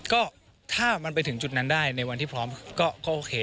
ก็ถ้ามันไปถึงจุดนั้นได้ในวันที่พร้อมก็โอเค